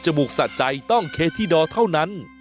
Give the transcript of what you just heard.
อันไหม